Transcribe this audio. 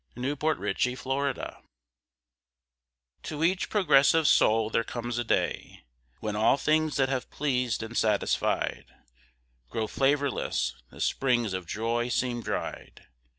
PROGRESSION To each progressive soul there comes a day When all things that have pleased and satisfied Grow flavourless, the springs of joy seem dried.